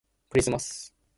クリスマス